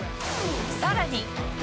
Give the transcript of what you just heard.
さらに。